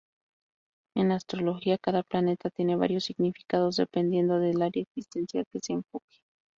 En astrología cada planeta tiene varios significados, dependiendo del área existencial que se enfoque.